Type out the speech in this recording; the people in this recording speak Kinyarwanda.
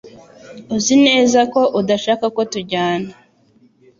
Uzi neza ko udashaka ko tujyana